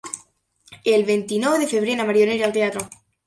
El vint-i-nou de febrer na Mariona irà al teatre.